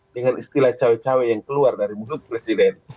dengan istilah cewek cewek yang keluar dari mudut presiden